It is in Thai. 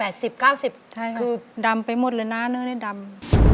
ใช่ค่ะดำไปหมดแล้วนะเนื้อเนื้อดำ